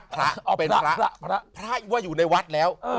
พระพระว่าอยู่ในวัดแล้ว